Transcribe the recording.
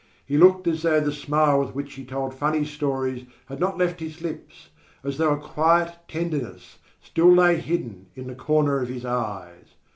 He looked as though the smile with which he told funny stories had not left his lips, as though a quiet tenderness still lay hidden in the corner of his eyes.